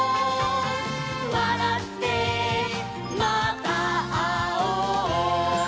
「わらってまたあおう」